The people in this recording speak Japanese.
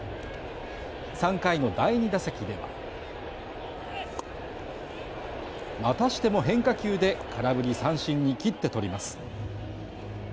３回の第２打席ではまたしても変化球で空振り三振に切って取ります。